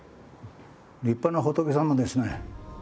立派な仏様ですね。